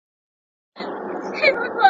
چای د زړه روغتیا سره مرسته کوي.